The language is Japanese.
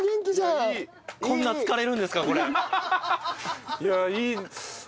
こんな疲れるんですか？